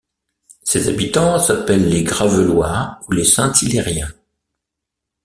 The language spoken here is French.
Ses habitants s'appellent les Gravellois ou les Saint-Hilairiens.